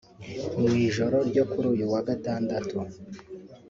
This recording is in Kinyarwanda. Mu ijoro ryo kuri uyu wa Gatandatu